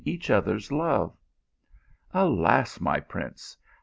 each other s love. Alas, my prince